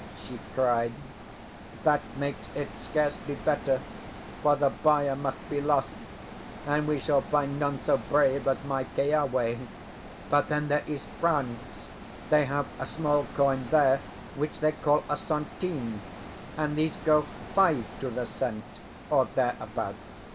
she cried, "that makes it scarcely better, for the buyer must be lost, and we shall find none so brave as my Keawe! But, then, there is France; they have a small coin there which they call a centime, and these go five to the cent or there about.